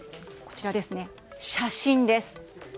写真です。